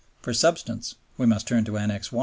For substance we must turn to Annex I.